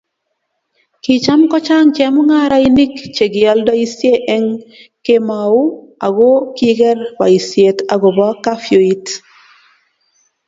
kicham kochang' chemung'arenik che kioldoisie eng' kemou ,aku kiker boisiet akobo kafyuit